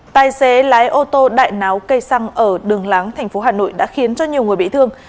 tài xế lái ô tô đại náo cây xăng ở đường láng thành phố hà nội đã khiến cho nhiều người bị thương